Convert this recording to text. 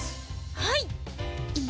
はい！